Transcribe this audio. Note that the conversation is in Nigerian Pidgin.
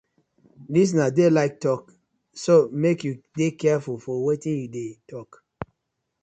Dis na daylight tok so mek yu dey carfull for wetin yu dey tok.